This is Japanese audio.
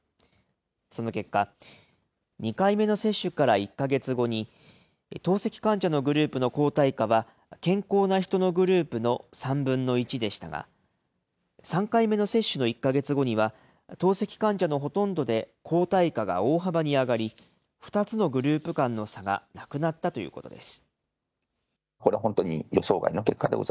その結果、２回目の接種から１か月後に、透析患者のグループの抗体価は、健康な人のグループの３分の１でしたが、３回目の接種の１か月後には、透析患者のほとんどで抗体価が大幅に上がり、２つのグループ間の差がなくなったということです。